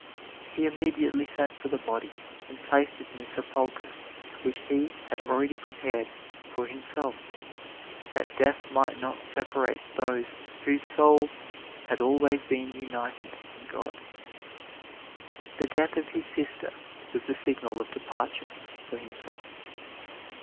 He immediately sent for the body and placed it in a sepulcher which he had already prepared for himself, that death might not separate those whose souls had always been united in God. The death of his sister was the signal of departure for himself.